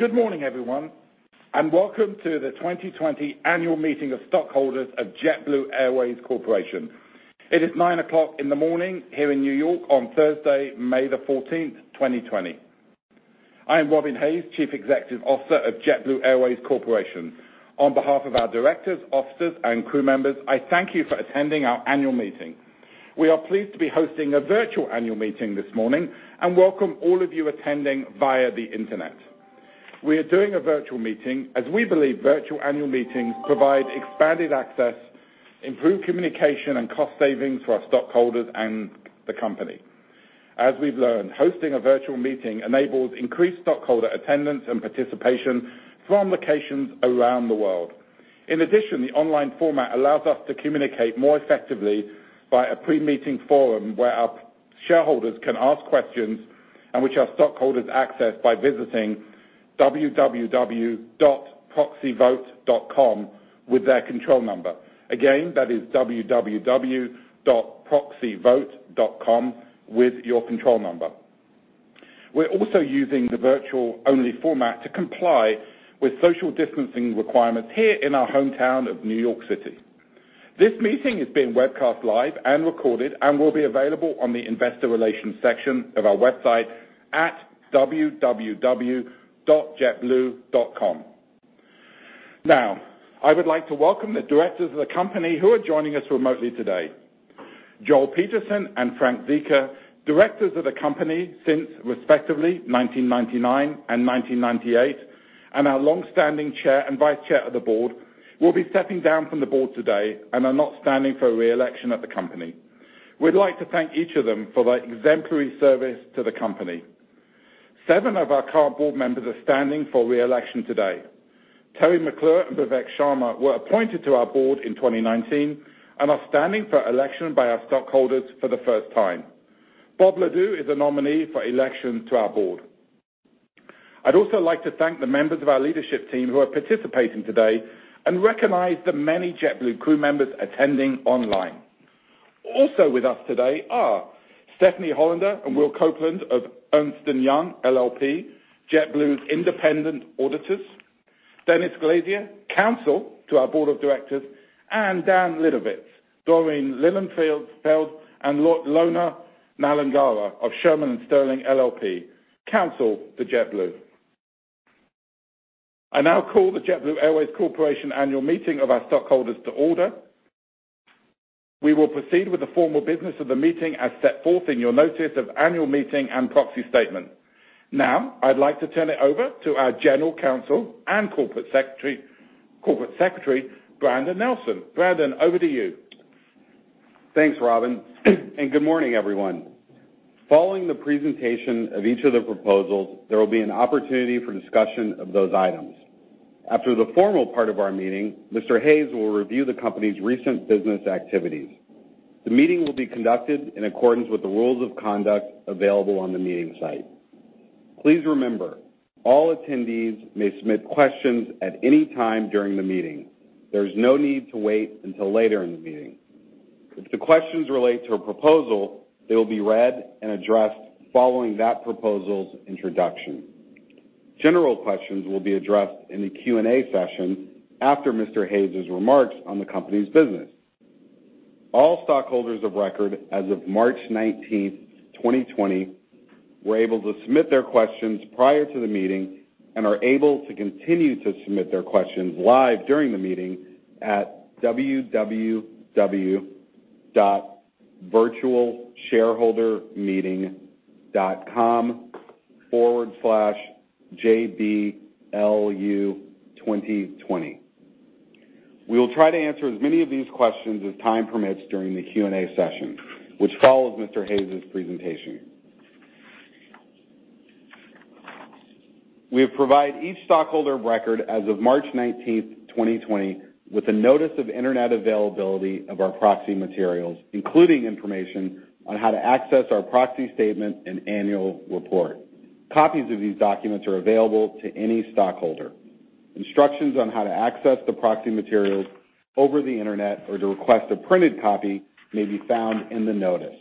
Good morning, everyone, and welcome to the 2020 annual meeting of stockholders of JetBlue Airways Corporation. It is 9:00 A.M. here in New York on Thursday, May the 14th, 2020. I am Robin Hayes, Chief Executive Officer of JetBlue Airways Corporation. On behalf of our directors, officers, and crew members, I thank you for attending our annual meeting. We are pleased to be hosting a virtual annual meeting this morning and welcome all of you attending via the Internet. We are doing a virtual meeting as we believe virtual annual meetings provide expanded access, improved communication, and cost savings for our stockholders and the company. As we've learned, hosting a virtual meeting enables increased stockholder attendance and participation from locations around the world. In addition, the online format allows us to communicate more effectively by a pre-meeting forum where our shareholders can ask questions and which our stockholders access by visiting www.proxyvote.com with their control number. Again, that is www.proxyvote.com with your control number. We're also using the virtual-only format to comply with social distancing requirements here in our hometown of New York City. This meeting is being webcast live and recorded and will be available on the investor relations section of our website at www.jetblue.com. Now, I would like to welcome the directors of the company who are joining us remotely today. Joel Peterson and Frank Sica, directors of the company since respectively 1999 and 1998, and our long-standing chair and vice chair of the board, will be stepping down from the board today and are not standing for re-election at the company. We'd like to thank each of them for their exemplary service to the company. Seven of our current board members are standing for re-election today. Teri McClure and Vivek Sharma were appointed to our board in 2019 and are standing for election by our stockholders for the first time. Bob Leduc is a nominee for election to our board. I'd also like to thank the members of our leadership team who are participating today and recognize the many JetBlue crew members attending online. Also with us today are Stephanie Hollander and Will Copeland of Ernst & Young LLP, JetBlue's independent auditors, Dennis Glazer, counsel to our board of directors, and Daniel Litowitz, Doreen Lilienfeld, and Lona Nallengara of Shearman & Sterling LLP, counsel to JetBlue. I now call the JetBlue Airways Corporation annual meeting of our stockholders to order. We will proceed with the formal business of the meeting as set forth in your notice of annual meeting and proxy statement. I'd like to turn it over to our General Counsel and Corporate Secretary, Brandon Nelson. Brandon, over to you. Thanks, Robin, and good morning, everyone. Following the presentation of each of the proposals, there will be an opportunity for discussion of those items. After the formal part of our meeting, Mr. Hayes will review the company's recent business activities. The meeting will be conducted in accordance with the rules of conduct available on the meeting site. Please remember, all attendees may submit questions at any time during the meeting. There is no need to wait until later in the meeting. If the questions relate to a proposal, they will be read and addressed following that proposal's introduction. General questions will be addressed in the Q&A session after Mr. Hayes' remarks on the company's business. All stockholders of record as of March 19th, 2020, were able to submit their questions prior to the meeting and are able to continue to submit their questions live during the meeting at www.virtualshareholdermeeting.com/jblu2020. We will try to answer as many of these questions as time permits during the Q&A session, which follows Mr. Hayes' presentation. We have provided each stockholder of record as of March 19th, 2020, with a notice of Internet availability of our proxy materials, including information on how to access our proxy statement and annual report. Copies of these documents are available to any stockholder. Instructions on how to access the proxy materials over the Internet or to request a printed copy may be found in the notice.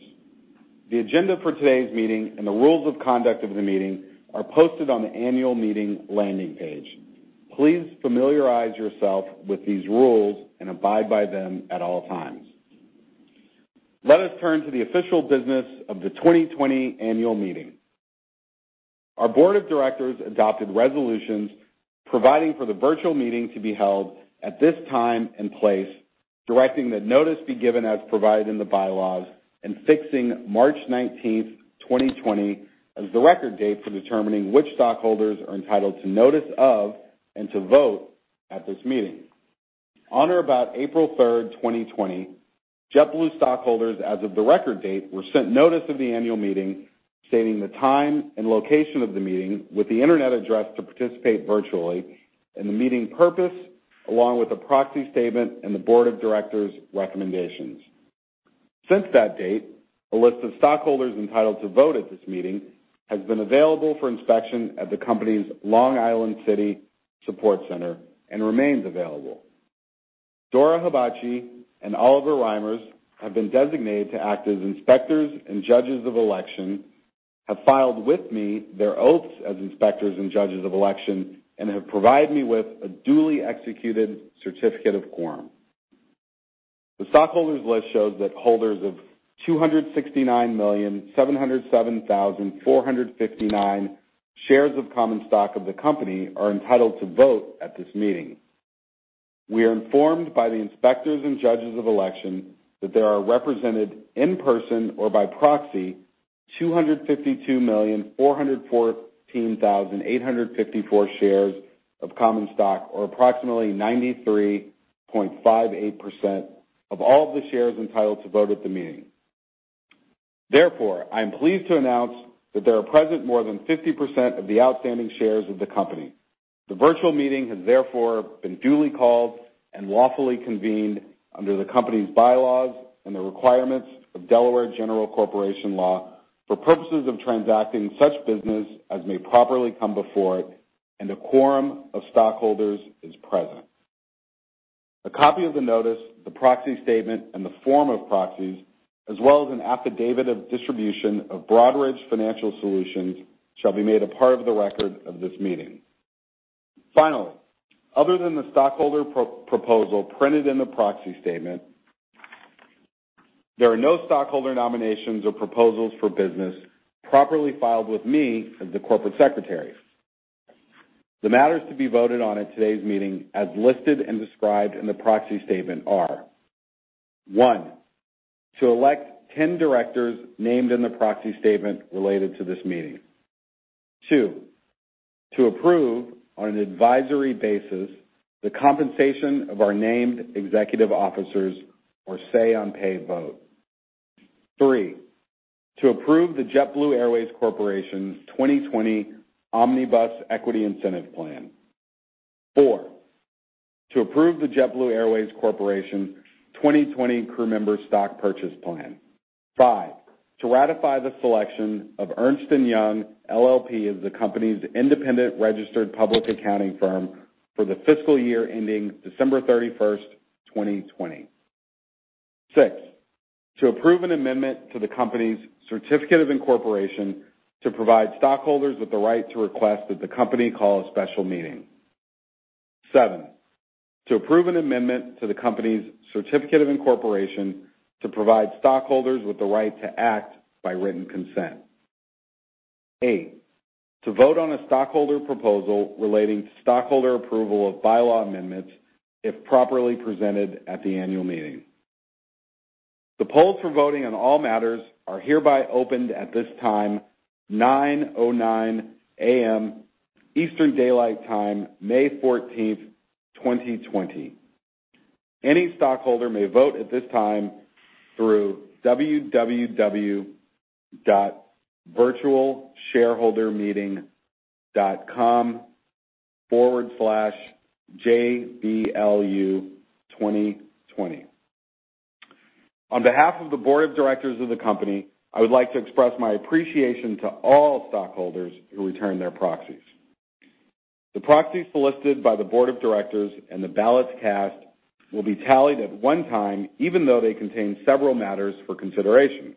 The agenda for today's meeting and the rules of conduct of the meeting are posted on the annual meeting landing page. Please familiarize yourself with these rules and abide by them at all times. Let us turn to the official business of the 2020 annual meeting. Our board of directors adopted resolutions providing for the virtual meeting to be held at this time and place, directing that notice be given as provided in the bylaws, and fixing March 19th, 2020, as the record date for determining which stockholders are entitled to notice of and to vote at this meeting. On or about April 3rd, 2020, JetBlue stockholders as of the record date were sent notice of the annual meeting stating the time and location of the meeting with the Internet address to participate virtually and the meeting purpose along with the proxy statement and the board of directors' recommendations. Since that date, a list of stockholders entitled to vote at this meeting has been available for inspection at the company's Long Island City support center and remains available. Dora Habachi and Oliver Reimers have been designated to act as inspectors and judges of election, have filed with me their oaths as inspectors and judges of election, and have provided me with a duly executed certificate of quorum. The stockholders' list shows that holders of 269,707,459 shares of common stock of the company are entitled to vote at this meeting. We are informed by the inspectors and judges of election that there are represented in person or by proxy 252,414,854 shares of common stock, or approximately 93.58% of all of the shares entitled to vote at the meeting. I am pleased to announce that there are present more than 50% of the outstanding shares of the company. The virtual meeting has therefore been duly called and lawfully convened under the company's bylaws and the requirements of Delaware General Corporation Law for purposes of transacting such business as may properly come before it, and a quorum of stockholders is present. A copy of the notice, the proxy statement, and the form of proxies, as well as an affidavit of distribution of Broadridge Financial Solutions, shall be made a part of the record of this meeting. Finally, other than the stockholder proposal printed in the proxy statement, there are no stockholder nominations or proposals for business properly filed with me as the corporate secretary. The matters to be voted on at today's meeting as listed and described in the proxy statement are. One, to elect 10 directors named in the proxy statement related to this meeting. Two, to approve on an advisory basis the compensation of our named executive officers, or say on pay vote. Three, to approve the JetBlue Airways Corporation 2020 Omnibus Equity Incentive Plan. Four, to approve the JetBlue Airways Corporation 2020 Crewmember Stock Purchase Plan. Five, to ratify the selection of Ernst & Young LLP as the company's independent registered public accounting firm for the fiscal year ending December 31st, 2020. Six, to approve an amendment to the company's certificate of incorporation to provide stockholders with the right to request that the company call a special meeting. Seven, to approve an amendment to the company's certificate of incorporation to provide stockholders with the right to act by written consent. Eight, to vote on a stockholder proposal relating to stockholder approval of bylaw amendments if properly presented at the annual meeting. The polls for voting on all matters are hereby opened at this time, 9:09 A.M. Eastern Daylight Time, May 14th, 2020. Any stockholder may vote at this time through www.virtualshareholdermeeting.com/jblu2020. On behalf of the board of directors of the company, I would like to express my appreciation to all stockholders who returned their proxies. The proxies solicited by the board of directors and the ballots cast will be tallied at one time, even though they contain several matters for consideration.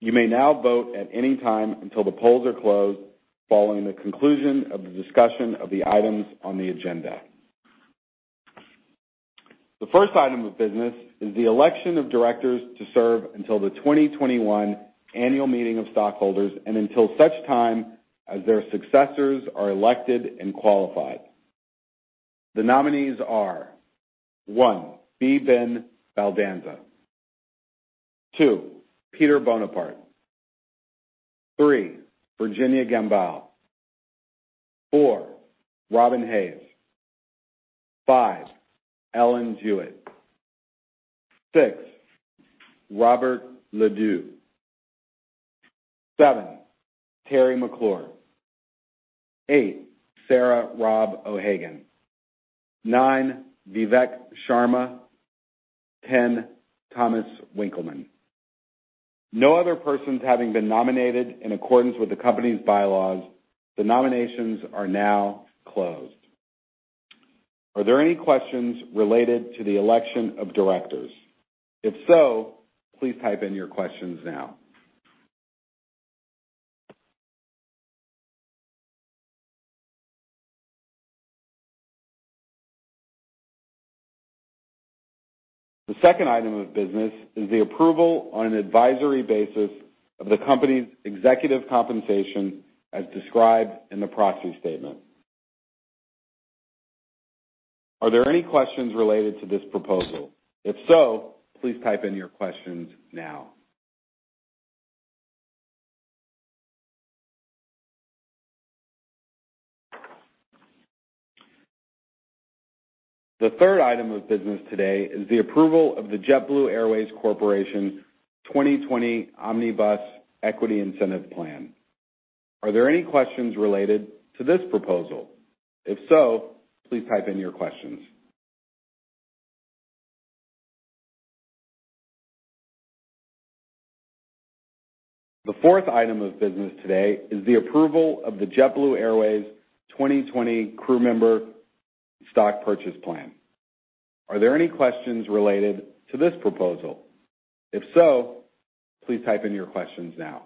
You may now vote at any time until the polls are closed following the conclusion of the discussion of the items on the agenda. The first item of business is the election of directors to serve until the 2021 annual meeting of stockholders and until such time as their successors are elected and qualified. The nominees are, one, Ben Baldanza. two, Peter Boneparth. three, Virginia Gambale. four, Robin Hayes. 5, Ellen Jewett. 6, Robert Leduc. 7, Teri McClure. 8, Sarah Robb O'Hagan. 9, Vivek Sharma. 10, Thomas Winkelmann. No other persons having been nominated in accordance with the company's bylaws, the nominations are now closed. Are there any questions related to the election of directors? If so, please type in your questions now. The second item of business is the approval on an advisory basis of the company's executive compensation as described in the proxy statement. Are there any questions related to this proposal? If so, please type in your questions now. The third item of business today is the approval of the JetBlue Airways Corporation 2020 Omnibus Equity Incentive Plan. Are there any questions related to this proposal? If so, please type in your questions. The fourth item of business today is the approval of the JetBlue Airways 2020 Crewmember Stock Purchase Plan. Are there any questions related to this proposal? If so, please type in your questions now.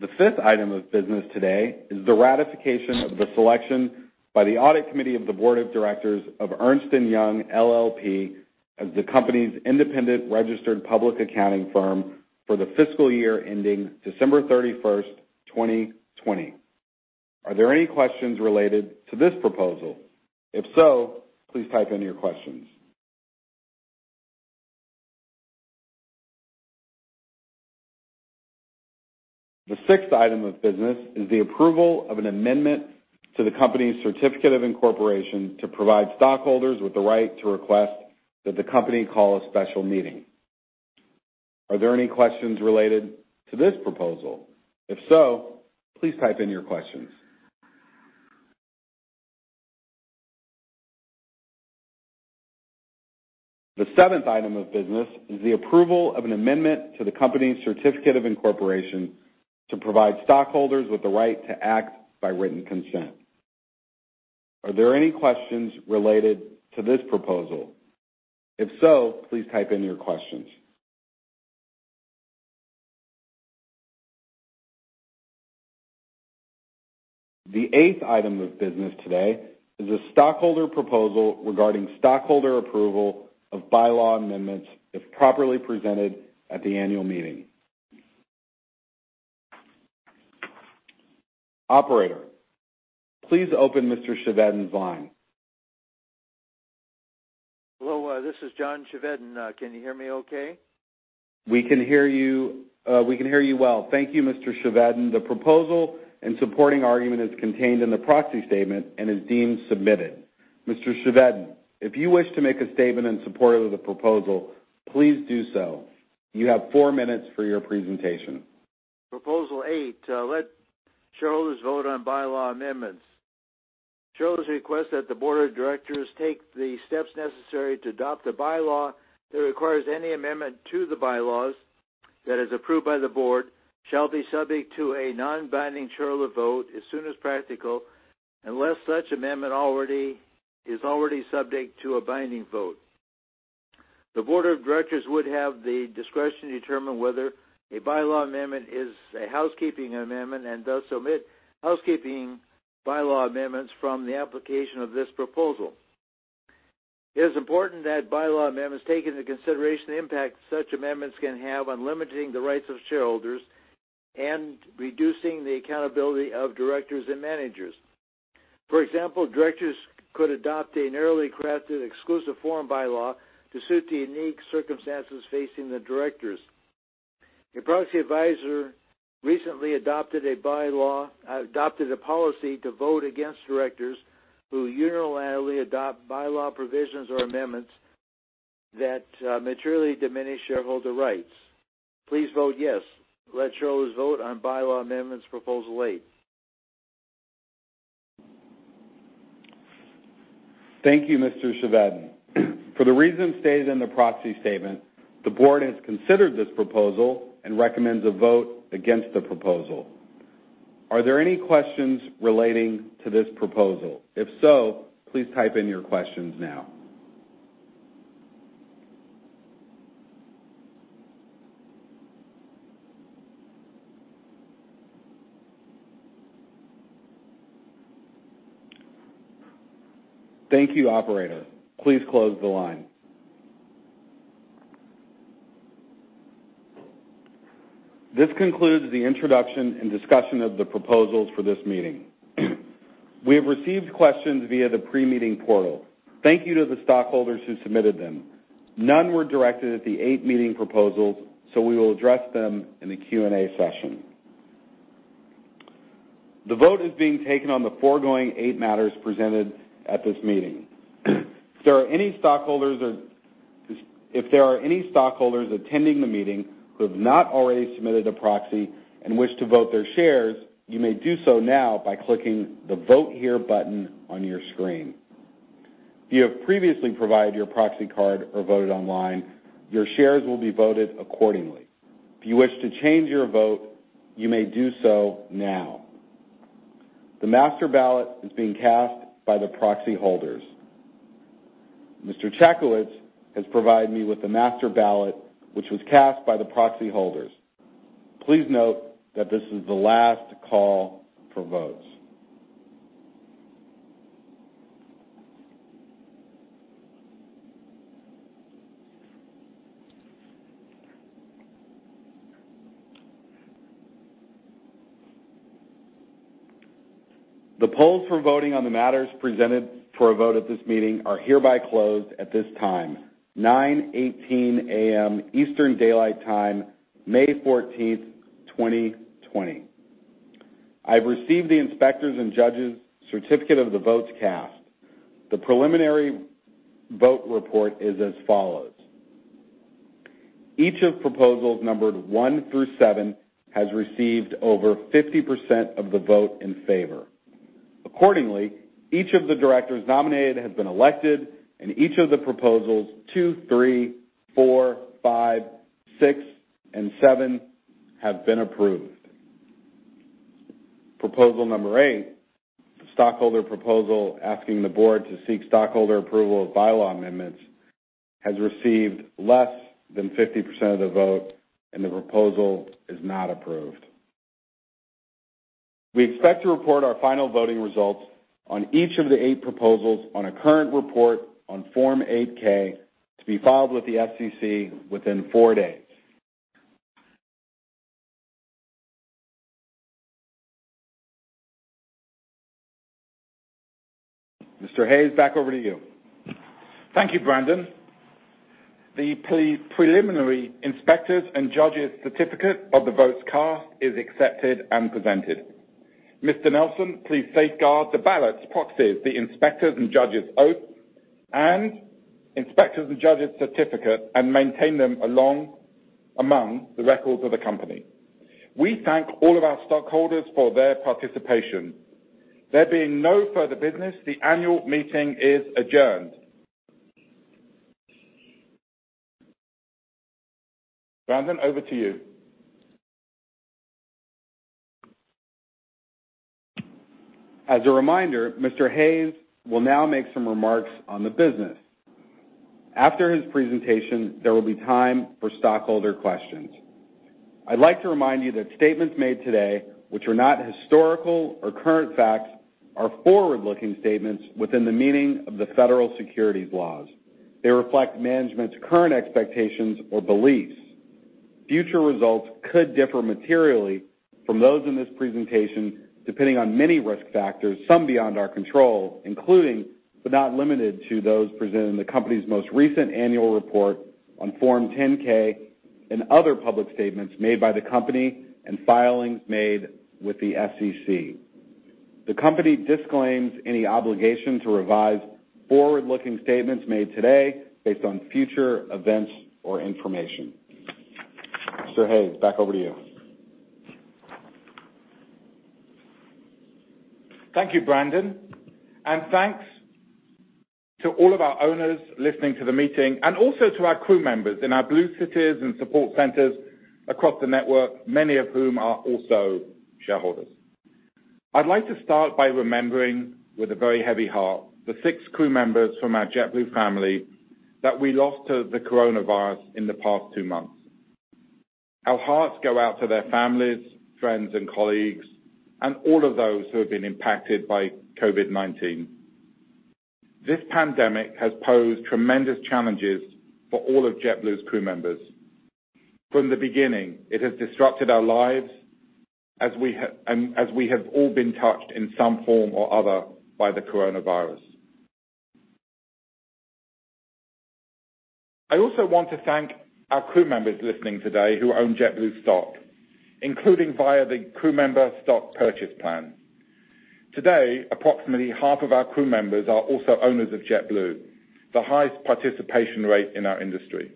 The fifth item of business today is the ratification of the selection by the Audit Committee of the Board of Directors of Ernst & Young LLP as the company's independent registered public accounting firm for the fiscal year ending December 31st, 2020. Are there any questions related to this proposal? If so, please type in your questions. The sixth item of business is the approval of an amendment to the company's certificate of incorporation to provide stockholders with the right to request that the company call a special meeting. Are there any questions related to this proposal? If so, please type in your questions. The seventh item of business is the approval of an amendment to the company's certificate of incorporation to provide stockholders with the right to act by written consent. Are there any questions related to this proposal? If so, please type in your questions. The eighth item of business today is a stockholder proposal regarding stockholder approval of bylaw amendments if properly presented at the annual meeting. Operator, please open Mr. Chevedden's line. Hello, this is John Chevedden. Can you hear me okay? We can hear you well. Thank you, Mr. Chevedden. The proposal and supporting argument is contained in the proxy statement and is deemed submitted. Mr. Chevedden, if you wish to make a statement in support of the proposal, please do so. You have four minutes for your presentation. Proposal eight, let shareholders vote on bylaw amendments. Shareholders request that the board of directors take the steps necessary to adopt a bylaw that requires any amendment to the bylaws that is approved by the board shall be subject to a non-binding shareholder vote as soon as practical, unless such amendment is already subject to a binding vote. The board of directors would have the discretion to determine whether a bylaw amendment is a housekeeping amendment, and thus omit housekeeping bylaw amendments from the application of this proposal. It is important that bylaw amendments take into consideration the impact such amendments can have on limiting the rights of shareholders and reducing the accountability of directors and managers. For example, directors could adopt a narrowly crafted exclusive forum bylaw to suit the unique circumstances facing the directors. A proxy advisor recently adopted a policy to vote against directors who unilaterally adopt bylaw provisions or amendments that materially diminish shareholder rights. Please vote yes. Let shareholders vote on bylaw amendments Proposal eight. Thank you, Mr. Chevedden. For the reasons stated in the proxy statement, the board has considered this proposal and recommends a vote against the proposal. Are there any questions relating to this proposal? If so, please type in your questions now. Thank you, operator. Please close the line. This concludes the introduction and discussion of the proposals for this meeting. We have received questions via the pre-meeting portal. Thank you to the stockholders who submitted them. None were directed at the eight meeting proposals, so we will address them in the Q&A session. The vote is being taken on the foregoing eight matters presented at this meeting. If there are any stockholders attending the meeting who have not already submitted a proxy and wish to vote their shares, you may do so now by clicking the Vote Here button on your screen. If you have previously provided your proxy card or voted online, your shares will be voted accordingly. If you wish to change your vote, you may do so now. The master ballot is being cast by the proxy holders. [Mr. Chakoulitz] has provided me with the master ballot, which was cast by the proxy holders. Please note that this is the last call for votes. The polls for voting on the matters presented for a vote at this meeting are hereby closed at this time, 9:18 A.M. Eastern Daylight Time, May 14, 2020. I have received the inspectors and judges certificate of the votes cast. The preliminary vote report is as follows. Each of proposals numbered one through seven has received over 50% of the vote in favor. Accordingly, each of the directors nominated has been elected and each of the proposals 2, 3, 4, 5, 6, and 7 have been approved. Proposal number 8, the stockholder proposal asking the board to seek stockholder approval of bylaw amendments, has received less than 50% of the vote, and the proposal is not approved. We expect to report our final voting results on each of the 8 proposals on a current report on Form 8-K to be filed with the SEC within 4 days. Mr. Hayes, back over to you. Thank you, Brandon. The preliminary inspectors and judges certificate of the votes cast is accepted and presented. Mr. Nelson, please safeguard the ballots, proxies, the inspectors and judges oaths, and inspectors and judges certificate and maintain them among the records of the company. We thank all of our stockholders for their participation. There being no further business, the annual meeting is adjourned. Brandon, over to you. As a reminder, Mr. Hayes will now make some remarks on the business. After his presentation, there will be time for stockholder questions. I'd like to remind you that statements made today, which are not historical or current facts, are forward-looking statements within the meaning of the federal securities laws. They reflect management's current expectations or beliefs. Future results could differ materially from those in this presentation, depending on many risk factors, some beyond our control, including, but not limited to those presented in the company's most recent annual report on Form 10-K and other public statements made by the company and filings made with the SEC. The company disclaims any obligation to revise forward-looking statements made today based on future events or information. Mr. Hayes, back over to you. Thank you, Brandon. Thanks to all of our owners listening to the meeting and also to our crew members in our BlueCities and support centers across the network, many of whom are also shareholders. I'd like to start by remembering with a very heavy heart, the six crew members from our JetBlue family that we lost to the coronavirus in the past two months. Our hearts go out to their families, friends, and colleagues, and all of those who have been impacted by COVID-19. This pandemic has posed tremendous challenges for all of JetBlue's crew members. From the beginning, it has disrupted our lives as we have all been touched in some form or other by the coronavirus. I also want to thank our crew members listening today who own JetBlue stock, including via the Crewmember Stock Purchase Plan. Today, approximately half of our crew members are also owners of JetBlue, the highest participation rate in our industry.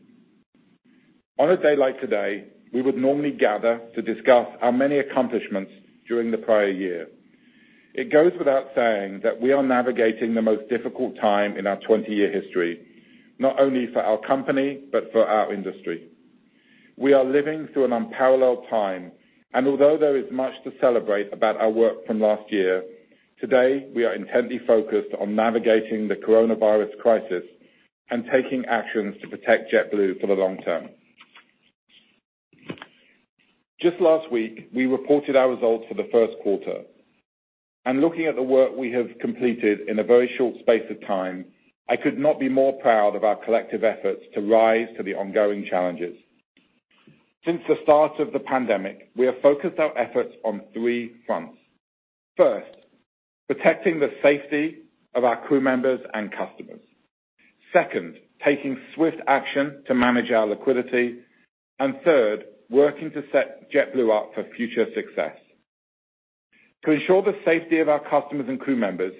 On a day like today, we would normally gather to discuss our many accomplishments during the prior year. It goes without saying that we are navigating the most difficult time in our 20-year history, not only for our company, but for our industry. We are living through an unparalleled time, and although there is much to celebrate about our work from last year, today we are intently focused on navigating the coronavirus crisis and taking actions to protect JetBlue for the long term. Just last week, we reported our results for the first quarter, and looking at the work we have completed in a very short space of time, I could not be more proud of our collective efforts to rise to the ongoing challenges. Since the start of the pandemic, we have focused our efforts on three fronts. First, protecting the safety of our crew members and customers. Second, taking swift action to manage our liquidity. Third, working to set JetBlue up for future success. To ensure the safety of our customers and crew members,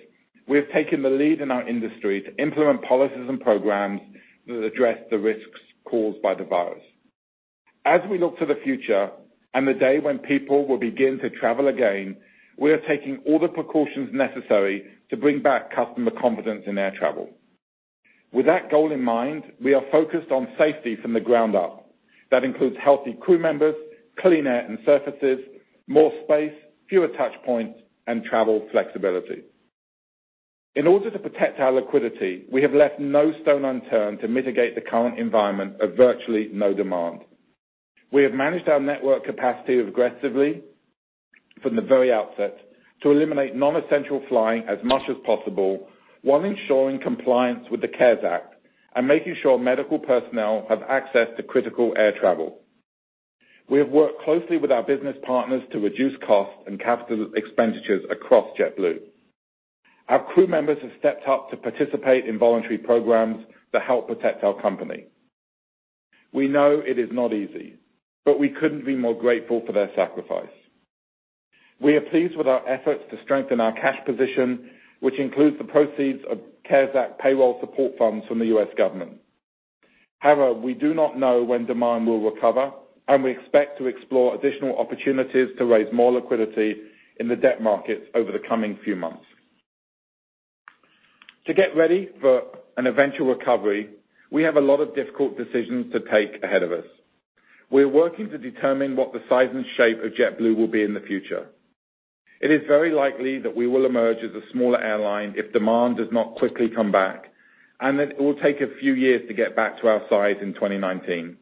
we have taken the lead in our industry to implement policies and programs that address the risks caused by the virus. As we look to the future and the day when people will begin to travel again, we are taking all the precautions necessary to bring back customer confidence in air travel. With that goal in mind, we are focused on Safety from the Ground Up. That includes healthy crew members, clean air and surfaces, more space, fewer touch points, and travel flexibility. In order to protect our liquidity, we have left no stone unturned to mitigate the current environment of virtually no demand. We have managed our network capacity aggressively from the very outset to eliminate non-essential flying as much as possible while ensuring compliance with the CARES Act and making sure medical personnel have access to critical air travel. We have worked closely with our business partners to reduce costs and capital expenditures across JetBlue. Our crew members have stepped up to participate in voluntary programs that help protect our company. We know it is not easy, but we couldn't be more grateful for their sacrifice. We are pleased with our efforts to strengthen our cash position, which includes the proceeds of CARES Act payroll support funds from the U.S. government. However, we do not know when demand will recover, and we expect to explore additional opportunities to raise more liquidity in the debt markets over the coming few months. To get ready for an eventual recovery, we have a lot of difficult decisions to take ahead of us. We are working to determine what the size and shape of JetBlue will be in the future. It is very likely that we will emerge as a smaller airline if demand does not quickly come back, and that it will take a few years to get back to our size in 2019.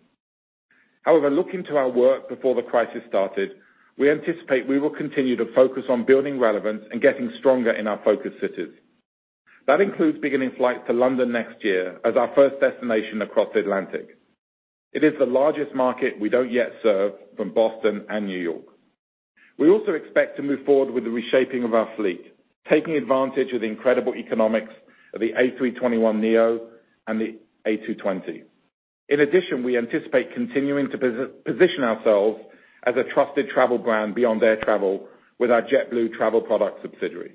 However, looking to our work before the crisis started, we anticipate we will continue to focus on building relevance and getting stronger in our focus cities. That includes beginning flights to London next year as our first destination across the Atlantic. It is the largest market we don't yet serve from Boston and New York. We also expect to move forward with the reshaping of our fleet, taking advantage of the incredible economics of the A321neo and the A220. In addition, we anticipate continuing to position ourselves as a trusted travel brand beyond air travel with our JetBlue Travel Products subsidiary.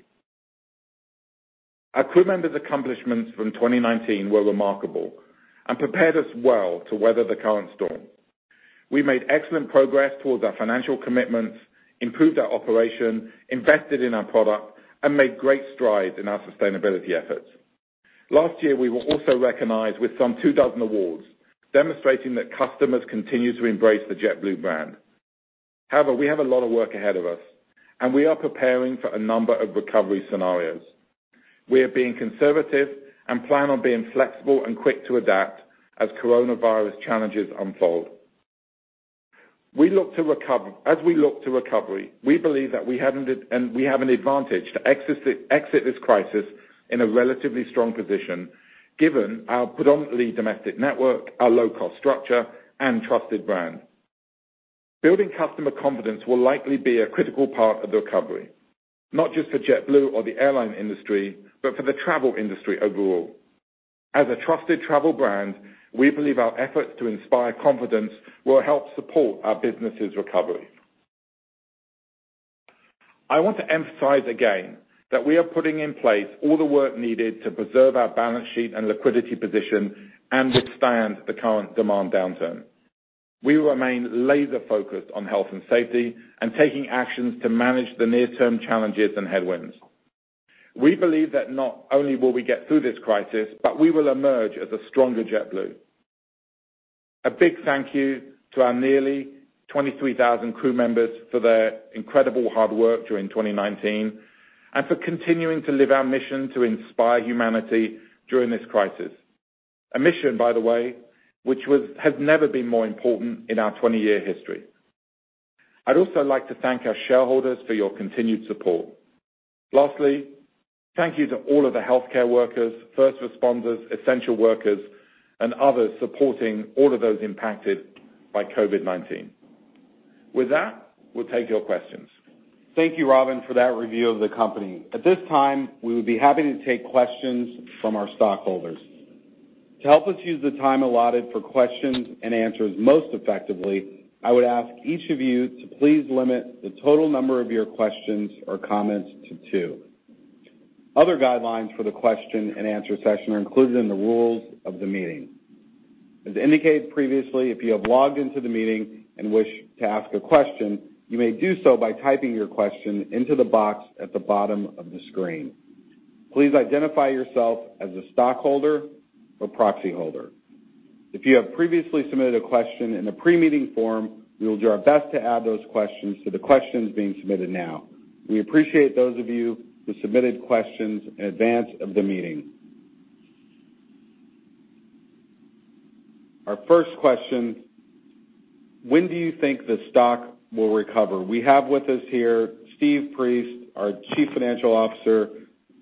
Our crew members' accomplishments from 2019 were remarkable and prepared us well to weather the current storm. We made excellent progress towards our financial commitments, improved our operation, invested in our product, and made great strides in our sustainability efforts. Last year, we were also recognized with some two dozen awards, demonstrating that customers continue to embrace the JetBlue brand. However, we have a lot of work ahead of us, and we are preparing for a number of recovery scenarios. We are being conservative and plan on being flexible and quick to adapt as coronavirus challenges unfold. As we look to recovery, we believe that we have an advantage to exit this crisis in a relatively strong position given our predominantly domestic network, our low-cost structure, and trusted brand. Building customer confidence will likely be a critical part of the recovery, not just for JetBlue or the airline industry, but for the travel industry overall. As a trusted travel brand, we believe our efforts to inspire confidence will help support our business's recovery. I want to emphasize again that we are putting in place all the work needed to preserve our balance sheet and liquidity position and withstand the current demand downturn. We will remain laser-focused on health and safety and taking actions to manage the near-term challenges and headwinds. We believe that not only will we get through this crisis, but we will emerge as a stronger JetBlue. A big thank you to our nearly 23,000 crew members for their incredible hard work during 2019 and for continuing to live our mission to inspire humanity during this crisis. A mission, by the way, which has never been more important in our 20-year history. I'd also like to thank our shareholders for your continued support. Lastly, thank you to all of the healthcare workers, first responders, essential workers, and others supporting all of those impacted by COVID-19. With that, we'll take your questions. Thank you, Robin, for that review of the company. At this time, we would be happy to take questions from our stockholders. To help us use the time allotted for questions and answers most effectively, I would ask each of you to please limit the total number of your questions or comments to two. Other guidelines for the question and answer session are included in the rules of the meeting. As indicated previously, if you have logged into the meeting and wish to ask a question, you may do so by typing your question into the box at the bottom of the screen. Please identify yourself as a stockholder or proxy holder. If you have previously submitted a question in the pre-meeting form, we will do our best to add those questions to the questions being submitted now. We appreciate those of you who submitted questions in advance of the meeting. Our first question, when do you think the stock will recover? We have with us here Steve Priest, our Chief Financial Officer,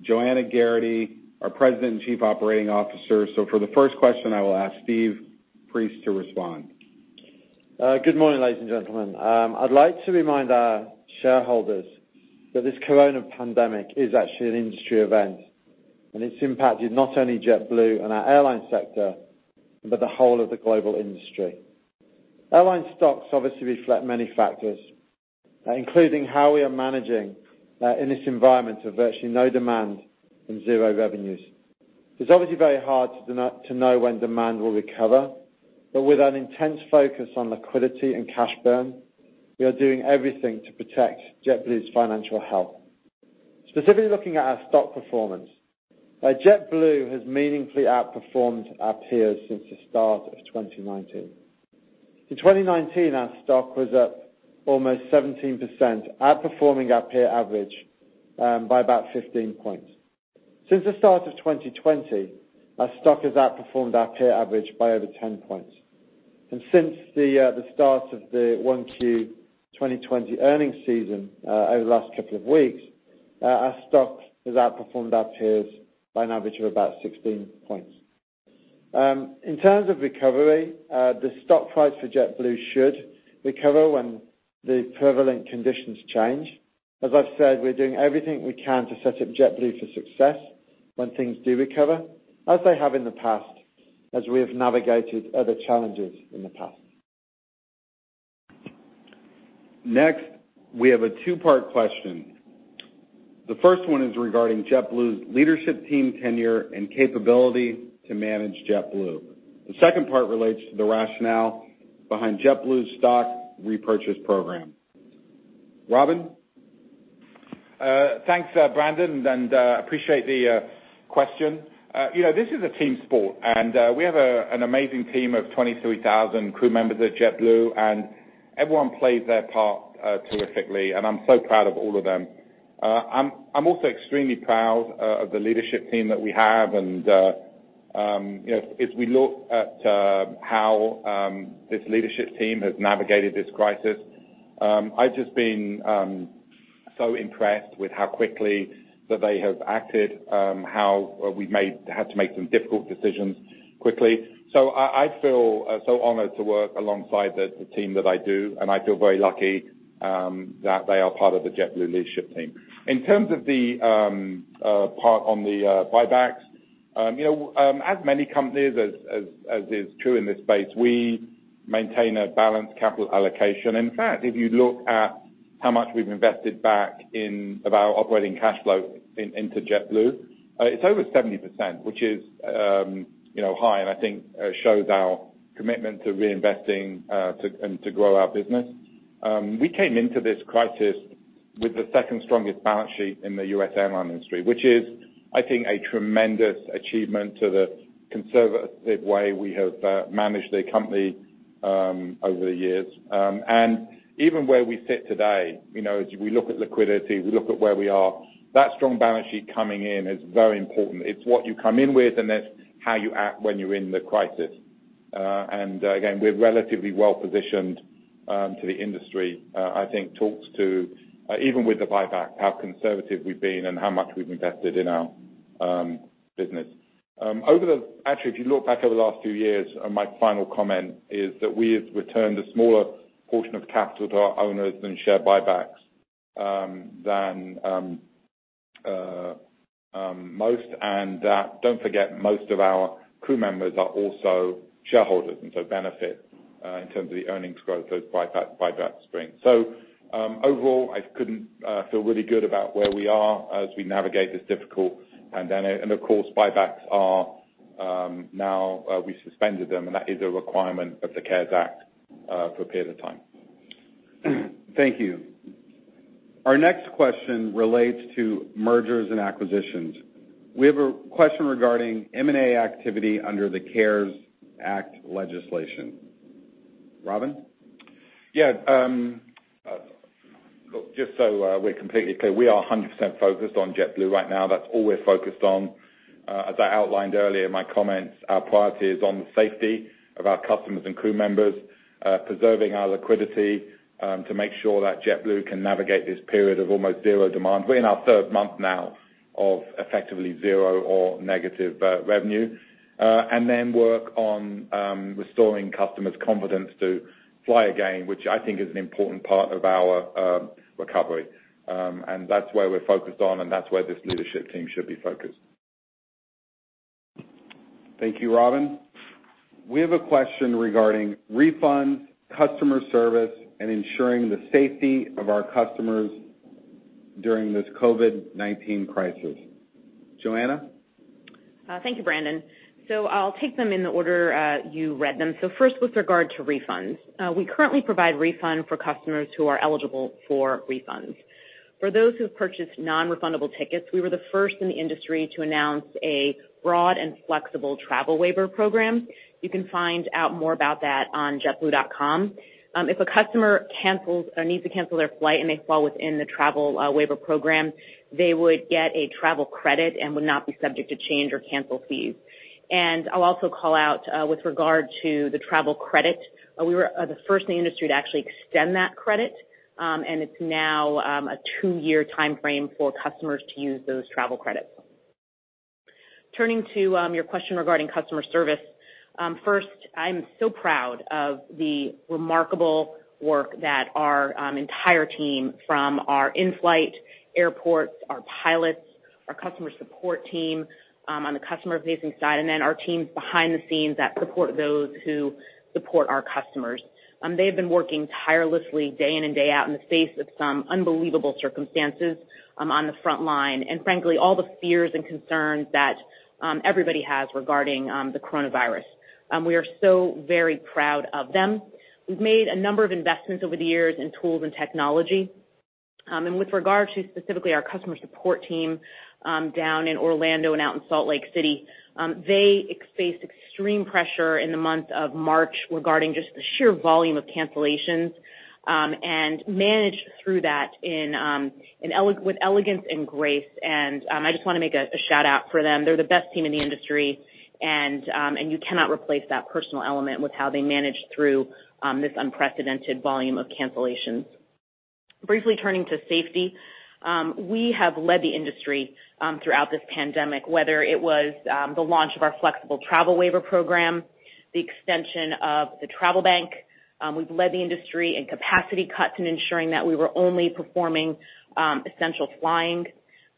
Joanna Geraghty, our President and Chief Operating Officer. For the first question, I will ask Steve Priest to respond. Good morning, ladies and gentlemen. I'd like to remind our shareholders that this corona pandemic is actually an industry event, and it's impacted not only JetBlue and our airline sector, but the whole of the global industry. Airline stocks obviously reflect many factors, including how we are managing in this environment of virtually no demand and zero revenues. It's obviously very hard to know when demand will recover, but with an intense focus on liquidity and cash burn, we are doing everything to protect JetBlue's financial health. Specifically looking at our stock performance, JetBlue has meaningfully outperformed our peers since the start of 2019. In 2019, our stock was up almost 17%, outperforming our peer average by about 15 points. Since the start of 2020, our stock has outperformed our peer average by over 10 points. Since the start of the one Q 2020 earnings season over the last couple of weeks, our stock has outperformed our peers by an average of about 16 points. In terms of recovery, the stock price for JetBlue should recover when the prevalent conditions change. As I've said, we're doing everything we can to set up JetBlue for success when things do recover, as we have navigated other challenges in the past. Next, we have a two-part question. The first one is regarding JetBlue's leadership team tenure and capability to manage JetBlue. The second part relates to the rationale behind JetBlue's stock repurchase program. Robin? Thanks, Brandon. Appreciate the question. This is a team sport, and we have an amazing team of 23,000 crew members at JetBlue, and everyone plays their part terrifically, and I'm so proud of all of them. I'm also extremely proud of the leadership team that we have. As we look at how this leadership team has navigated this crisis, I've just been so impressed with how quickly that they have acted, how we've had to make some difficult decisions quickly. I feel so honored to work alongside the team that I do, and I feel very lucky that they are part of the JetBlue leadership team. In terms of the part on the buybacks, as many companies, as is true in this space, we maintain a balanced capital allocation. In fact, if you look at how much we've invested back in of our operating cash flow into JetBlue, it's over 70%, which is high and I think shows our commitment to reinvesting and to grow our business. We came into this crisis with the second strongest balance sheet in the U.S. airline industry, which is, I think, a tremendous achievement to the conservative way we have managed the company over the years. Even where we sit today, as we look at liquidity, we look at where we are, that strong balance sheet coming in is very important. It's what you come in with, and it's how you act when you're in the crisis. Again, we're relatively well-positioned to the industry, I think talks to, even with the buyback, how conservative we've been and how much we've invested in our business. Actually, if you look back over the last few years, my final comment is that we have returned a smaller portion of capital to our owners and share buybacks than most, and don't forget, most of our crew members are also shareholders, and so benefit in terms of the earnings growth, those buyback streams. Overall, I couldn't feel really good about where we are as we navigate this difficult. Of course, buybacks are now, we suspended them, and that is a requirement of the CARES Act for a period of time. Thank you. Our next question relates to mergers and acquisitions. We have a question regarding M&A activity under the CARES Act legislation. Robin? Yeah. Look, just so we're completely clear, we are 100% focused on JetBlue right now. That's all we're focused on. As I outlined earlier in my comments, our priority is on the safety of our customers and crew members, preserving our liquidity to make sure that JetBlue can navigate this period of almost zero demand. We're in our third month now of effectively zero or negative revenue. Work on restoring customers' confidence to fly again, which I think is an important part of our recovery. That's where we're focused on, and that's where this leadership team should be focused. Thank you, Robin. We have a question regarding refunds, customer service, and ensuring the safety of our customers during this COVID-19 crisis. Joanna? Thank you, Brandon. I'll take them in the order you read them. First, with regard to refunds. We currently provide refunds for customers who are eligible for refunds. For those who have purchased non-refundable tickets, we were the first in the industry to announce a broad and flexible travel waiver program. You can find out more about that on jetblue.com. If a customer needs to cancel their flight and they fall within the travel waiver program, they would get a travel credit and would not be subject to change or cancel fees. I'll also call out, with regard to the travel credit, we were the first in the industry to actually extend that credit, and it's now a two-year timeframe for customers to use those travel credits. Turning to your question regarding customer service. First, I'm so proud of the remarkable work that our entire team, from our in-flight airports, our pilots, our customer support team on the customer-facing side, and then our teams behind the scenes that support those who support our customers. They've been working tirelessly day in and day out in the face of some unbelievable circumstances on the front line, and frankly, all the fears and concerns that everybody has regarding the coronavirus. We are so very proud of them. We've made a number of investments over the years in tools and technology. With regard to specifically our customer support team down in Orlando and out in Salt Lake City, they faced extreme pressure in the month of March regarding just the sheer volume of cancellations, and managed through that with elegance and grace, and I just want to make a shout-out for them. They're the best team in the industry. You cannot replace that personal element with how they managed through this unprecedented volume of cancellations. Briefly turning to safety. We have led the industry throughout this pandemic, whether it was the launch of our flexible travel waiver program the extension of the Travel Bank. We've led the industry in capacity cuts and ensuring that we were only performing essential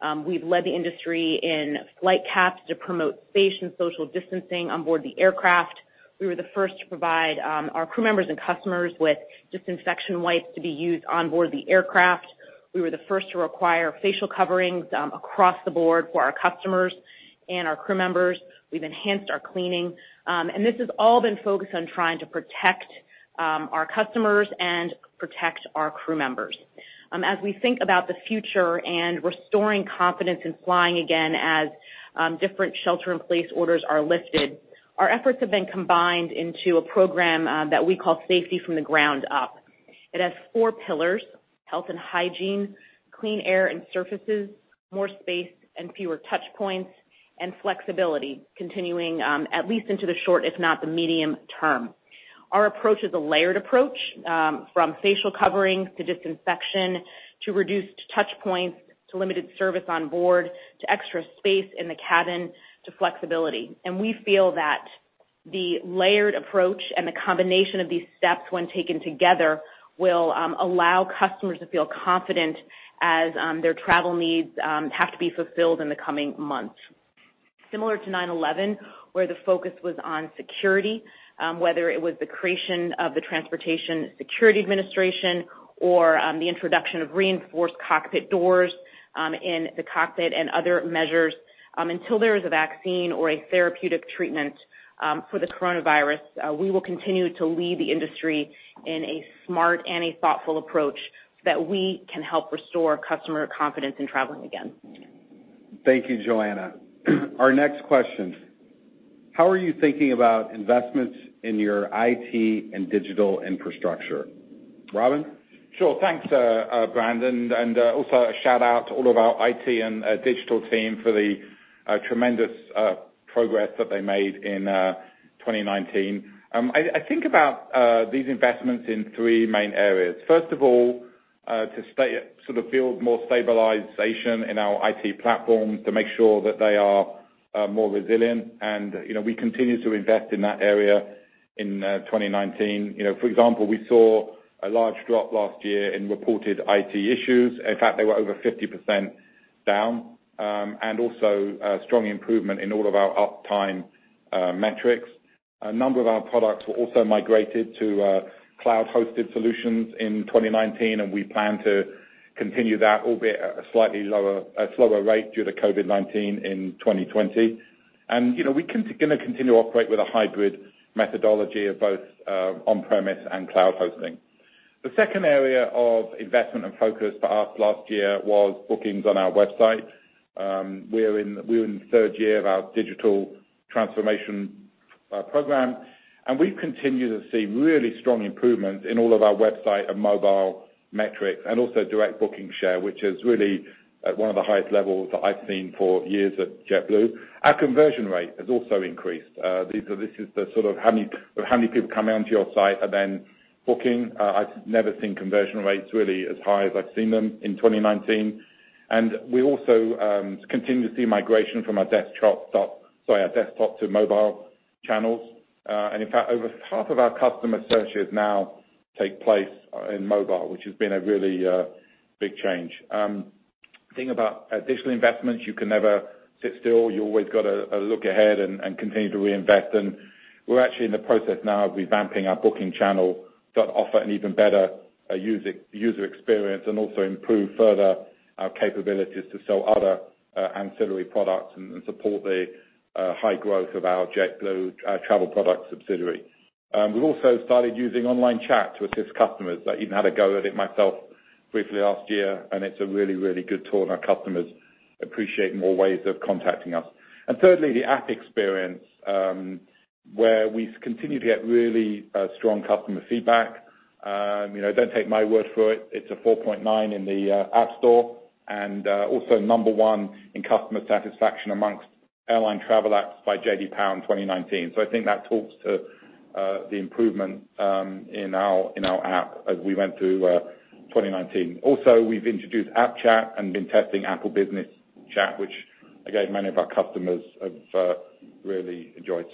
flying. We've led the industry in flight caps to promote spaced and social distancing on board the aircraft. We were the first to provide our crew members and customers with disinfection wipes to be used on board the aircraft. We were the first to require facial coverings across the board for our customers and our crew members. We've enhanced our cleaning. This has all been focused on trying to protect our customers and protect our crew members. As we think about the future and restoring confidence in flying again as different shelter-in-place orders are lifted, our efforts have been combined into a program that we call Safety from the Ground Up. It has four pillars, health and hygiene, clean air and surfaces, more space and fewer touchpoints, and flexibility, continuing at least into the short, if not the medium term. Our approach is a layered approach, from facial coverings to disinfection, to reduced touchpoints, to limited service on board, to extra space in the cabin, to flexibility. We feel that the layered approach and the combination of these steps when taken together will allow customers to feel confident as their travel needs have to be fulfilled in the coming months. Similar to 9/11, where the focus was on security, whether it was the creation of the Transportation Security Administration or the introduction of reinforced cockpit doors in the cockpit and other measures, until there is a vaccine or a therapeutic treatment for the coronavirus, we will continue to lead the industry in a smart and a thoughtful approach so that we can help restore customer confidence in traveling again. Thank you, Joanna. Our next question. How are you thinking about investments in your IT and digital infrastructure? Robin? Sure. Thanks, Brandon. Also a shout-out to all of our IT and digital team for the tremendous progress that they made in 2019. I think about these investments in three main areas. First of all, to sort of build more stabilization in our IT platform to make sure that they are more resilient, and we continued to invest in that area in 2019. For example, we saw a large drop last year in reported IT issues. In fact, they were over 50% down. Also a strong improvement in all of our uptime metrics. A number of our products were also migrated to cloud-hosted solutions in 2019, and we plan to continue that, albeit at a slower rate due to COVID-19 in 2020. We're going to continue to operate with a hybrid methodology of both on-premise and cloud hosting. The second area of investment and focus for us last year was bookings on our website. We've continued to see really strong improvements in all of our website and mobile metrics, and also direct booking share, which is really at one of the highest levels that I've seen for years at JetBlue. Our conversion rate has also increased. This is the sort of how many people come onto your site are then booking. I've never seen conversion rates really as high as I've seen them in 2019. We also continue to see migration from our desktop to mobile channels. In fact, over half of our customer searches now take place in mobile, which has been a really big change. Thing about digital investments, you can never sit still. You've always got to look ahead and continue to reinvest, and we're actually in the process now of revamping our booking channel to offer an even better user experience and also improve further our capabilities to sell other ancillary products and support the high growth of our JetBlue Travel Products subsidiary. We've also started using online chat to assist customers. I even had a go at it myself briefly last year, and it's a really good tool, and our customers appreciate more ways of contacting us. Thirdly, the app experience, where we've continued to get really strong customer feedback. Don't take my word for it. It's a 4.9 in the App Store, and also number one in customer satisfaction amongst airline travel apps by J.D. Power in 2019. I think that talks to the improvement in our app as we went through 2019. We've introduced app chat and been testing Apple Business Chat, which again, many of our customers have really enjoyed.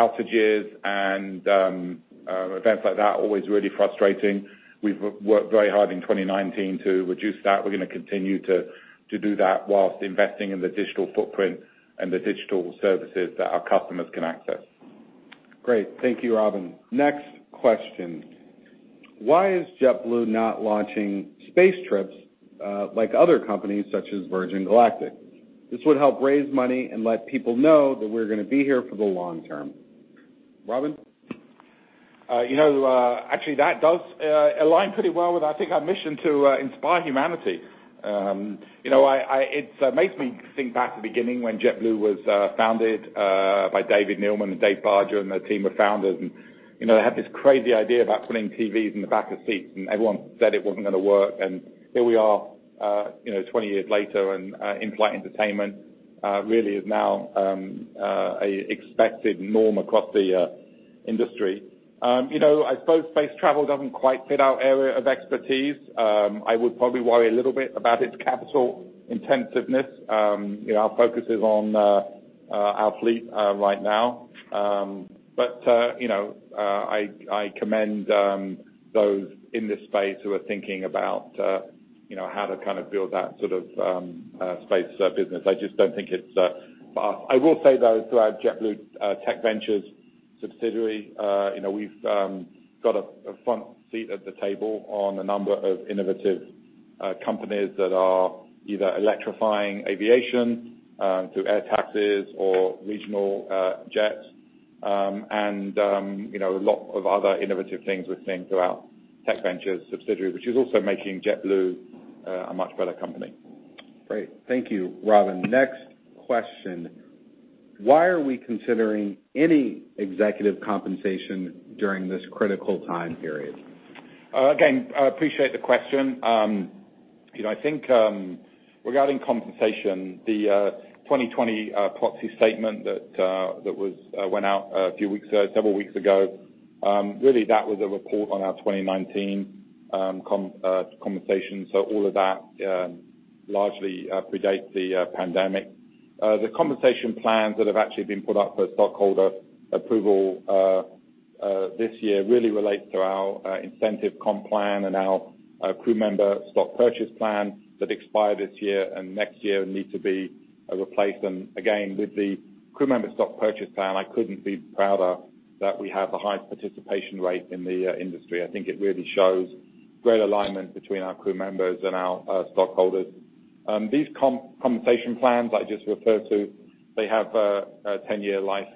Outages and events like that are always really frustrating. We've worked very hard in 2019 to reduce that. We're going to continue to do that while investing in the digital footprint and the digital services that our customers can access. Great. Thank you, Robin. Next question. Why is JetBlue not launching space trips like other companies such as Virgin Galactic? This would help raise money and let people know that we're going to be here for the long term. Robin? Actually that does align pretty well with, I think, our mission to inspire humanity. It makes me think back to the beginning when JetBlue was founded by David Neeleman and Dave Barger and their team of founders, and they had this crazy idea about putting TVs in the back of seats, and everyone said it wasn't going to work. Here we are, 20 years later, and in-flight entertainment really is now an expected norm across the industry. I suppose space travel doesn't quite fit our area of expertise. I would probably worry a little bit about its capital intensiveness. Our focus is on our fleet right now. I commend those in this space who are thinking about how to kind of build that sort of space business. I will say, though, through our JetBlue Technology Ventures subsidiary, we've got a front seat at the table on a number of innovative companies that are either electrifying aviation through air taxis or regional jets, and a lot of other innovative things we're seeing through our Tech Ventures subsidiary, which is also making JetBlue a much better company. Great. Thank you, Robin. Next question. Why are we considering any executive compensation during this critical time period? Again, I appreciate the question. I think regarding compensation, the 2020 proxy statement that went out a few weeks, several weeks ago, really that was a report on our 2019 compensation. The compensation plans that have actually been put up for stockholder approval this year really relate to our Incentive Comp Plan and our Crewmember Stock Purchase Plan that expire this year and next year and need to be replaced. Again, with the Crewmember Stock Purchase Plan, I couldn't be prouder that we have the highest participation rate in the industry. I think it really shows great alignment between our crew members and our stockholders. These compensation plans I just referred to, they have a 10-year life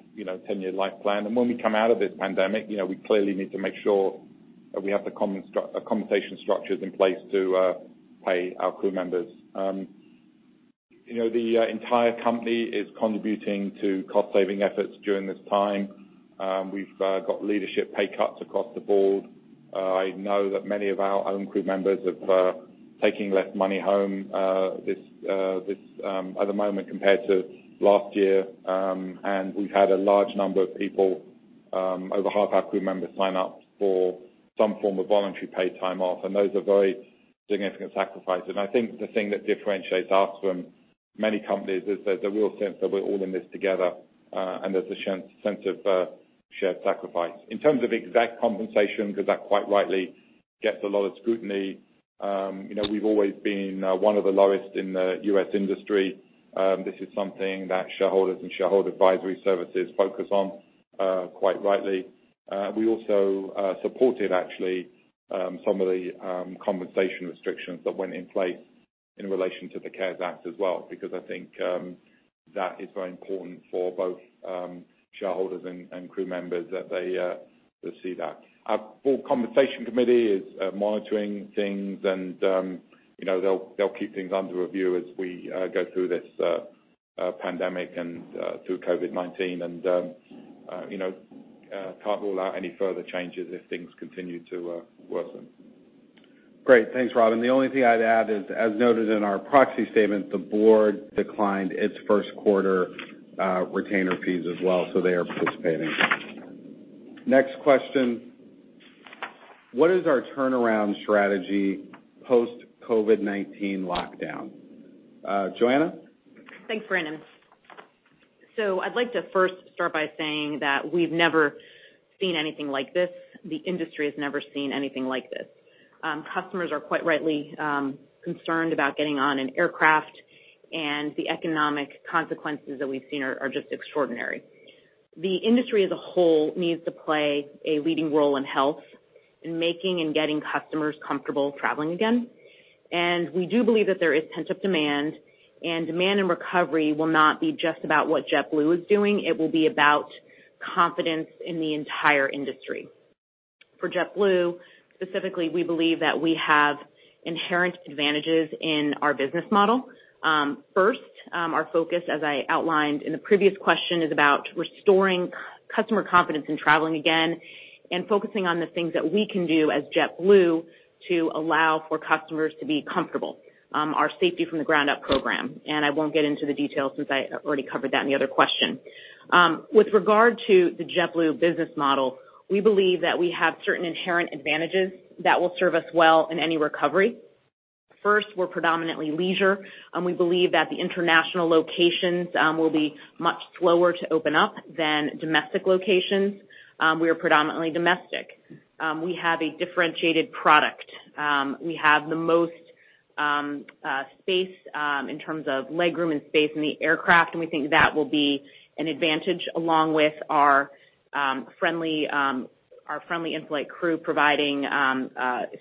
plan. When we come out of this pandemic, we clearly need to make sure that we have the compensation structures in place to pay our crewmembers. The entire company is contributing to cost-saving efforts during this time. We've got leadership pay cuts across the board. I know that many of our own crewmembers have taken less money home at the moment compared to last year, and we've had a large number of people, over half our crewmembers sign up for some form of voluntary paid time off. Those are very significant sacrifices. I think the thing that differentiates us from many companies is there's a real sense that we're all in this together, and there's a sense of shared sacrifice. In terms of exact compensation, because that quite rightly gets a lot of scrutiny, we've always been one of the lowest in the U.S. industry. This is something that shareholders and shareholder advisory services focus on, quite rightly. We also supported, actually, some of the compensation restrictions that went in place in relation to the CARES Act as well because I think that is very important for both shareholders and crew members that they see that. Our full compensation committee is monitoring things and they'll keep things under review as we go through this pandemic and through COVID-19, and can't rule out any further changes if things continue to worsen. Great. Thanks, Robin. The only thing I'd add is, as noted in our proxy statement, the board declined its first quarter retainer fees as well, so they are participating. Next question. What is our turnaround strategy post COVID-19 lockdown? Joanna? Thanks, Brandon. I'd like to first start by saying that we've never seen anything like this. The industry has never seen anything like this. Customers are quite rightly concerned about getting on an aircraft, the economic consequences that we've seen are just extraordinary. The industry as a whole needs to play a leading role in health, in making and getting customers comfortable traveling again. We do believe that there is pent-up demand and recovery will not be just about what JetBlue is doing. It will be about confidence in the entire industry. For JetBlue, specifically, we believe that we have inherent advantages in our business model. Our focus, as I outlined in the previous question, is about restoring customer confidence in traveling again and focusing on the things that we can do as JetBlue to allow for customers to be comfortable, our Safety from the Ground Up program. I won't get into the details since I already covered that in the other question. With regard to the JetBlue business model, we believe that we have certain inherent advantages that will serve us well in any recovery. We're predominantly leisure. We believe that the international locations will be much slower to open up than domestic locations. We are predominantly domestic. We have a differentiated product. We have the most space in terms of legroom and space in the aircraft, and we think that will be an advantage along with our friendly in-flight crew providing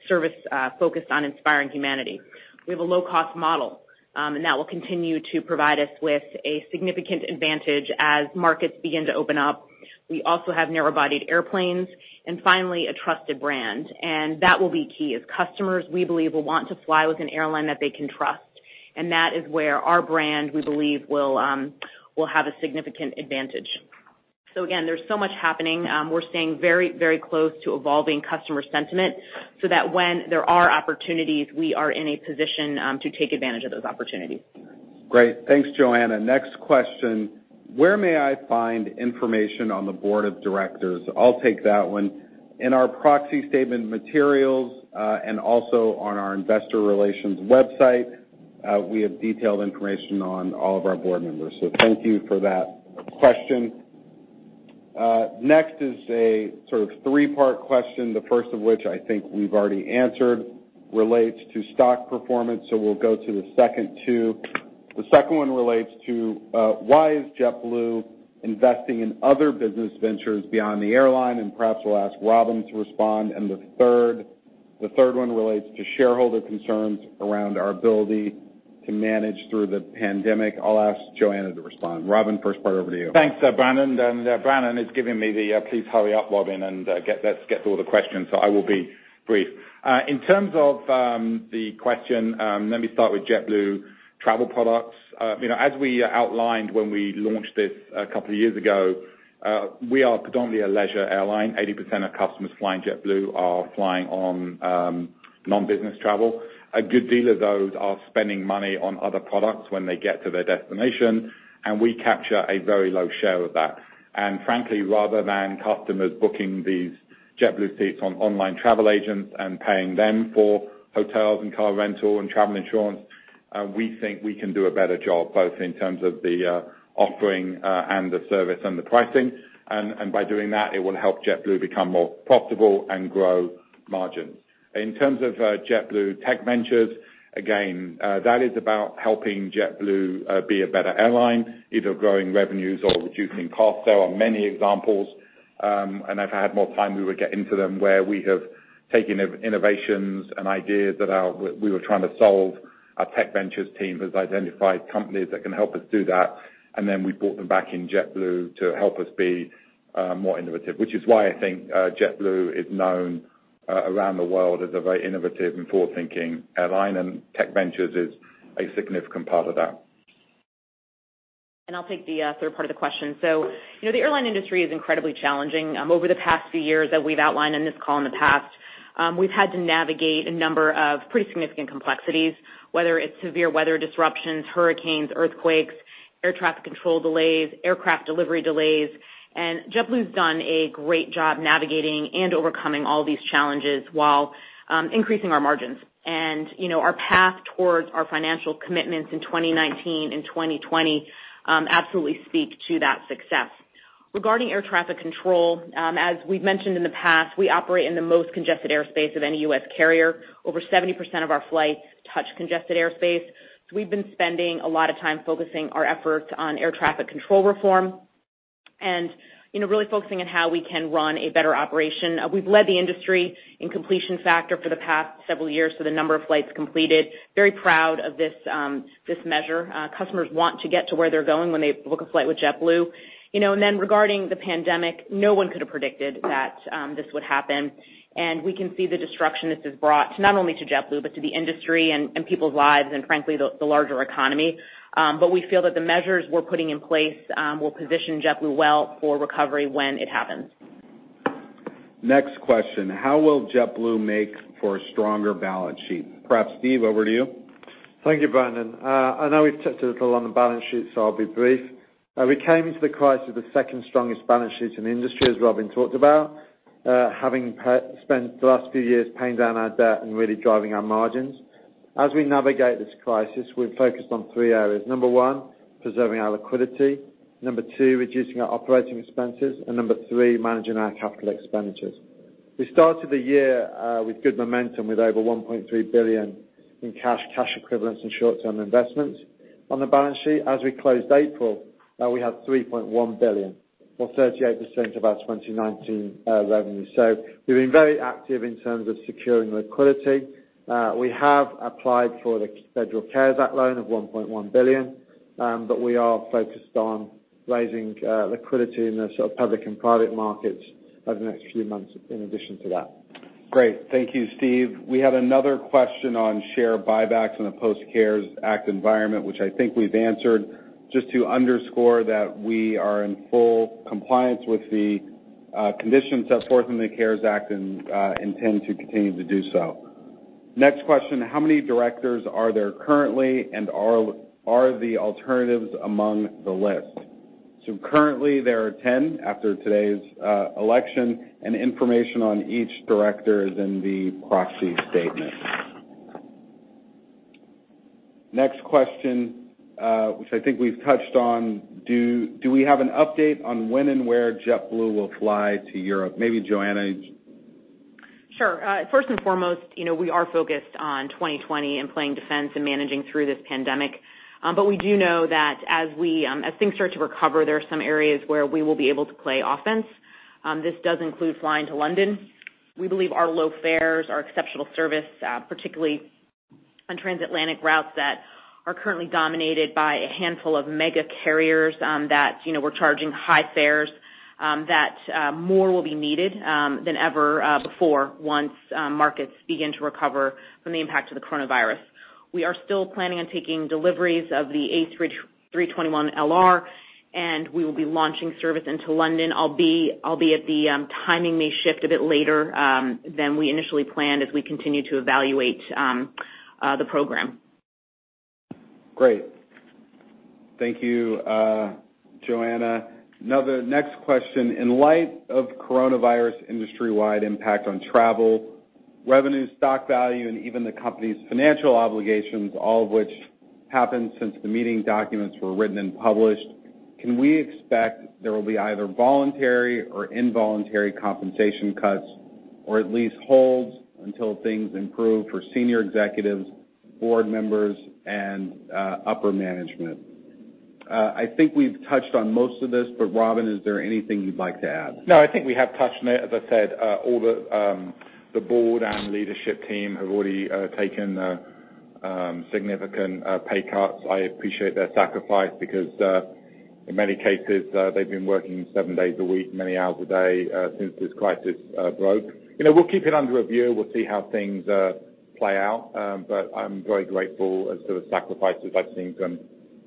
service focused on inspiring humanity. We have a low-cost model, and that will continue to provide us with a significant advantage as markets begin to open up. We also have narrow-bodied airplanes. Finally, a trusted brand, and that will be key as customers, we believe, will want to fly with an airline that they can trust. That is where our brand, we believe, will have a significant advantage. Again, there's so much happening. We're staying very close to evolving customer sentiment so that when there are opportunities, we are in a position to take advantage of those opportunities. Great. Thanks, Joanna. Next question, "Where may I find information on the board of directors?" I'll take that one. In our proxy statement materials, and also on our investor relations website, we have detailed information on all of our board members. Thank you for that question. Next is a sort of three-part question, the first of which I think we've already answered, relates to stock performance, so we'll go to the second two. The second one relates to why is JetBlue investing in other business ventures beyond the airline, and perhaps we'll ask Robin to respond. The third one relates to shareholder concerns around our ability to manage through the pandemic. I'll ask Joanna to respond. Robin, first part, over to you. Thanks, Brandon. Brandon is giving me the, "Please hurry up, Robin, and let's get through all the questions." I will be brief. In terms of the question, let me start with JetBlue Travel Products. As we outlined when we launched this a couple of years ago, we are predominantly a leisure airline. 80% of customers flying JetBlue are flying on non-business travel. A good deal of those are spending money on other products when they get to their destination. We capture a very low share of that. Frankly, rather than customers booking these JetBlue seats on online travel agents and paying them for hotels and car rental and travel insurance, we think we can do a better job, both in terms of the offering and the service and the pricing. By doing that, it will help JetBlue become more profitable and grow margins. In terms of JetBlue Technology Ventures, again, that is about helping JetBlue be a better airline, either growing revenues or reducing costs. There are many examples, and if I had more time, we would get into them, where we have taken innovations and ideas that we were trying to solve. Our Tech Ventures team has identified companies that can help us do that, and then we brought them back in JetBlue to help us be more innovative, which is why I think JetBlue is known around the world as a very innovative and forward-thinking airline, and Tech Ventures is a significant part of that. I'll take the third part of the question. The airline industry is incredibly challenging. Over the past few years that we've outlined on this call in the past, we've had to navigate a number of pretty significant complexities, whether it's severe weather disruptions, hurricanes, earthquakes, air traffic control delays, aircraft delivery delays, and JetBlue's done a great job navigating and overcoming all these challenges while increasing our margins. Our path towards our financial commitments in 2019 and 2020 absolutely speak to that success. Regarding air traffic control, as we've mentioned in the past, we operate in the most congested airspace of any U.S. carrier. Over 70% of our flights touch congested airspace. We've been spending a lot of time focusing our efforts on air traffic control reform and really focusing on how we can run a better operation. We've led the industry in completion factor for the past several years for the number of flights completed. Very proud of this measure. Customers want to get to where they're going when they book a flight with JetBlue. Regarding the pandemic, no one could have predicted that this would happen, and we can see the disruption this has brought, not only to JetBlue, but to the industry and people's lives, and frankly, the larger economy. We feel that the measures we're putting in place will position JetBlue well for recovery when it happens. Next question, "How will JetBlue make for a stronger balance sheet?" Perhaps Steve, over to you. Thank you, Brandon. I know we've touched a little on the balance sheet, so I'll be brief. We came into the crisis with the second strongest balance sheet in the industry, as Robin talked about, having spent the last few years paying down our debt and really driving our margins. As we navigate this crisis, we've focused on three areas. Number one, preserving our liquidity. Number two, reducing our operating expenses. Number three, managing our capital expenditures. We started the year with good momentum with over $1.3 billion in cash equivalents, and short-term investments on the balance sheet. As we closed April, we had $3.1 billion, or 38% of our 2019 revenue. We've been very active in terms of securing liquidity. We have applied for the federal CARES Act loan of $1.1 billion, but we are focused on raising liquidity in the public and private markets over the next few months in addition to that. Great. Thank you, Steve. We had another question on share buybacks in a post-CARES Act environment, which I think we've answered. Just to underscore that we are in full compliance with the conditions set forth in the CARES Act and intend to continue to do so. Next question, "How many directors are there currently, and are the alternatives among the list?" Currently there are 10 after today's election, and information on each director is in the proxy statement. Next question, which I think we've touched on, "Do we have an update on when and where JetBlue will fly to Europe?" Maybe Joanna. Sure. First and foremost, we are focused on 2020 and playing defense and managing through this pandemic. We do know that as things start to recover, there are some areas where we will be able to play offense. This does include flying to London. We believe our low fares, our exceptional service, particularly on transatlantic routes that are currently dominated by a handful of mega carriers that were charging high fares, that more will be needed than ever before once markets begin to recover from the impact of the coronavirus. We are still planning on taking deliveries of the A321LR. We will be launching service into London, albeit the timing may shift a bit later than we initially planned as we continue to evaluate the program. Great. Thank you, Joanna. Now the next question. In light of coronavirus industry-wide impact on travel, revenue, stock value, and even the company's financial obligations, all of which happened since the meeting documents were written and published, can we expect there will be either voluntary or involuntary compensation cuts, or at least holds until things improve for senior executives, board members, and upper management? I think we've touched on most of this, but Robin, is there anything you'd like to add? No, I think we have touched on it. As I said, all the board and leadership team have already taken significant pay cuts. I appreciate their sacrifice because, in many cases, they've been working seven days a week, many hours a day, since this crisis broke. We'll keep it under review. We'll see how things play out. I'm very grateful as to the sacrifices I've seen from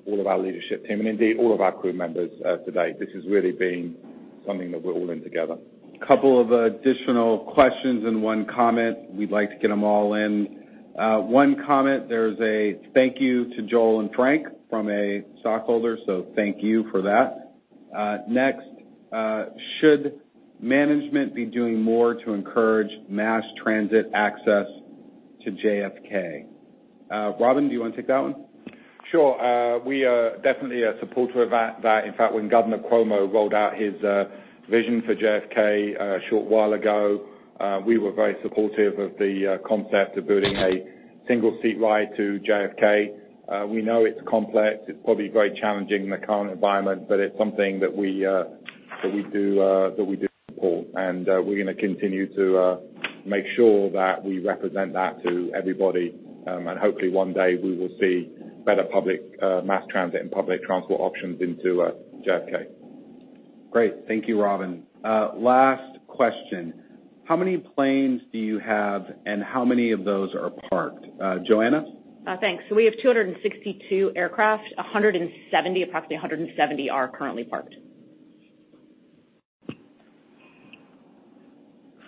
all of our leadership team and indeed all of our crew members to date. This has really been something that we're all in together. Couple of additional questions and one comment. We'd like to get them all in. One comment, there's a thank you to Joel and Frank from a stockholder. Thank you for that. Next, should management be doing more to encourage mass transit access to JFK? Robin, do you want to take that one? Sure. We are definitely a supporter of that. In fact, when Andrew Cuomo rolled out his vision for JFK a short while ago, we were very supportive of the concept of building a single seat ride to JFK. We know it's complex, it's probably very challenging in the current environment, but it's something that we do support. We're going to continue to make sure that we represent that to everybody. Hopefully one day we will see better public mass transit and public transport options into JFK. Great. Thank you, Robin. Last question. How many planes do you have, and how many of those are parked? Joanna? Thanks. We have 262 aircraft. Approximately 170 are currently parked.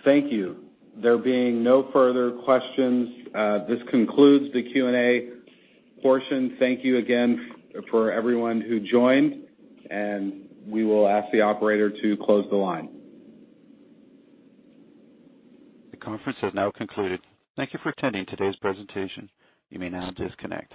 Thank you. There being no further questions, this concludes the Q&A portion. Thank you again for everyone who joined. We will ask the operator to close the line. The conference has now concluded. Thank you for attending today's presentation. You may now disconnect.